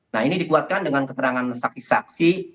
nah ini dikuatkan dengan keterangan saksi saksi